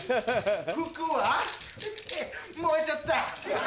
服は燃えちゃった。